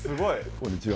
こんにちは。